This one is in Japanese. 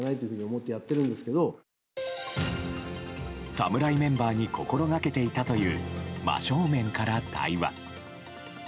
侍メンバーに心がけていたという真正面から対話。